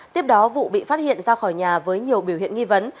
tiếp đó vụ bị phát hiện ra khỏi nhà với nhiều biểu hiện nghi vấn